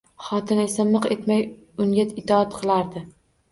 Xotini esa miq etmay unga itoat qilardi